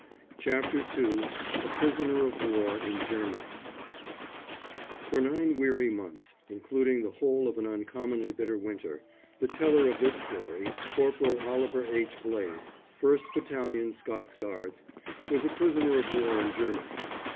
CHAPTER II A PRISONER OF WAR IN GERMANY [For nine weary months, including the whole of an uncommonly bitter winter, the teller of this story, Corporal Oliver H. Blaze, 1st Battalion Scots Guards, was a prisoner of war in Germany.